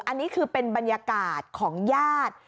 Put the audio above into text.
อันนี้คือเป็นบรรยากาศของญาติ